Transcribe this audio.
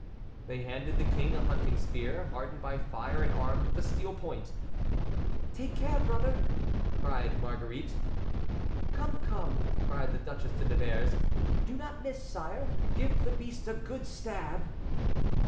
They handed the King a hunting spear hardened by fire and armed with a steel point. "Take care, brother!" cried Marguerite. "Come! come!" cried the Duchesse de Nevers. "Do not miss, sire. Give the beast a good stab!"